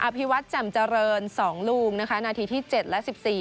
พิวัตรแจ่มเจริญ๒ลูกนะคะนาทีที่๗และ๑๔